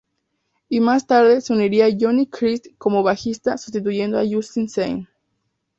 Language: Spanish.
Y más tarde se uniría Johnny Christ como bajista sustituyendo a Justin Sane.